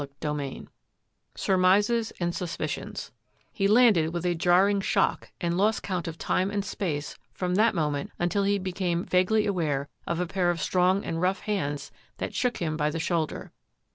CHAPTER VII SURMISES AND SUSPICIONS He landed with a jarring shock and lost count of time and space from that moment until he be came vaguely aware of a pair of strong and rough hands that shook him by the shoulder.